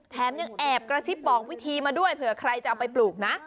แถมยังแอบกระซิบบอกวิธีมาด้วยเผื่อใครจะเอาไปปลูกนะ